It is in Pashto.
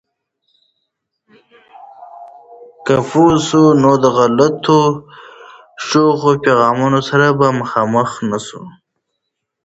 که پوه سو، نو د غلطو خوشو پیغامونو سره به مخامخ نسو.